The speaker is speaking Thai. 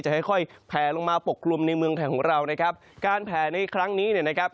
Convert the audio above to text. จะค่อยแพลลงมาปกปรุมในเมืองแผงของเรานะครับการแพลในครั้งนี้นะครับ